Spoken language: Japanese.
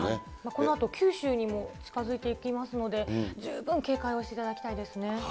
このあと九州にも近づいていきますけど十分警戒をしていただ